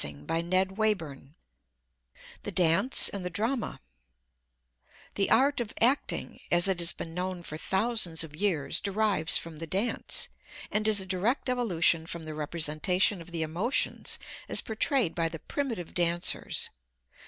[Illustration: NW] THE DANCE AND THE DRAMA The art of acting as it has been known for thousands of years, derives from the dance, and is a direct evolution from the representation of the emotions as portrayed by the primitive dancers.